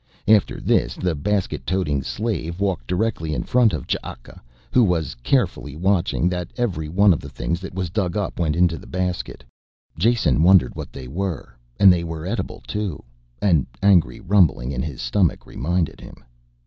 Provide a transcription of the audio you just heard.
After this the basket toting slave walked directly in front of Ch'aka who was carefully watchful that every one of the things that was dug up went into the basket. Jason wondered what they were and they were edible, too, an angry rumbling in his stomach reminded him.